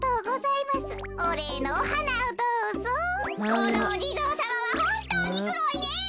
このおじぞうさまはほんとうにすごいね。